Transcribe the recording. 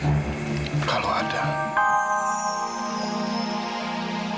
kamu nggak perlu mengikuti lagi